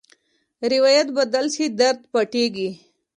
روایت بدل شي، درد پټېږي.